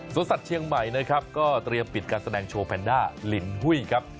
สัตว์เชียงใหม่นะครับก็เตรียมปิดการแสดงโชว์แพนด้าลินหุ้ยครับ